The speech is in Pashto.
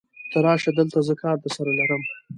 ته راشه دلته، زه کار درسره لرم.